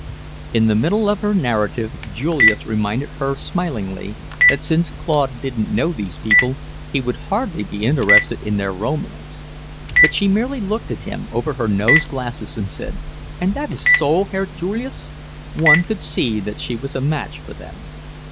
In the middle of her narrative Julius reminded her smilingly that since Claude didn't know these people, he would hardly be interested in their romance, but she merely looked at him over her nose glasses and said, "And is that so, Herr Julius!" One could see that she was a match for them.